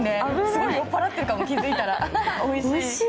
すごい酔っぱらってるかも、気づいたら。